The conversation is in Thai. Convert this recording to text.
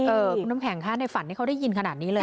เออน้ำแข็งข้าในฝันเขาได้ยินขนาดนี้เลย